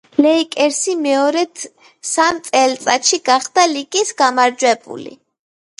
ლეიკერსი მეორედ სამ წელიწადში გახდა ლიგის გამარჯვებული.